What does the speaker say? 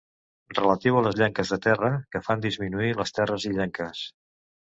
Relatiu a les llenques de terra que fan disminuir les terres illenques.